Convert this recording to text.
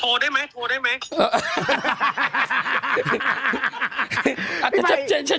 โทรได้มั้ยโทรได้มั้ย